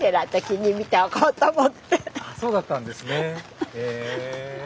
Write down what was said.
そうだったんですね。